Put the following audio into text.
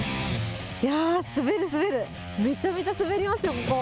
いやー、滑る、滑る、めちゃめちゃ滑りますよ、ここ。